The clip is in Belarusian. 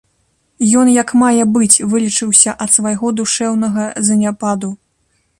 Ён як мае быць вылечыўся ад свайго душэўнага заняпаду.